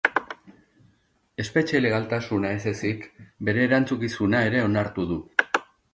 Espetxe legaltasuna ez ezik, bere erantzukizuna ere onartu du.